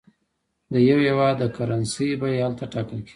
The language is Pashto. د یو هېواد د کرنسۍ بیه هلته ټاکل کېږي.